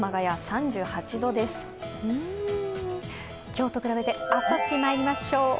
今日と比べて明日どっちにまいりましょう。